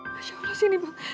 masya allah sini bang